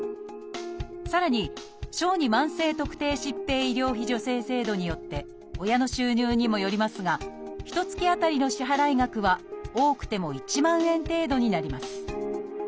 さらに「小児慢性特定疾病医療費助成制度」によって親の収入にもよりますがひとつき当たりの支払額は多くても１万円程度になります。